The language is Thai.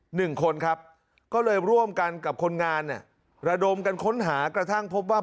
หนึ่งคนครับก็เลยร่วมกันกับคนงานเนี่ยระดมกันค้นหากระทั่งพบว่า